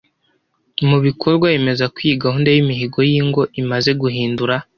mu bikorwa. Yemeza ko iyi gahunda y’imihigo y’ingo imaze guhindura